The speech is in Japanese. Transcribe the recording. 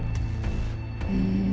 うん。